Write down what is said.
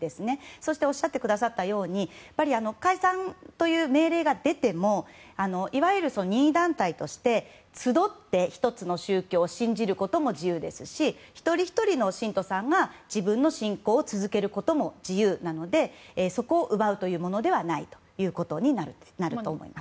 そしておっしゃったように解散という命令が出てもいわゆる任意団体として集って１つの宗教を信じることも自由ですし一人ひとりの信徒さんが自分の信仰を続けることも自由なのでそこを奪うというものではないということになると思います。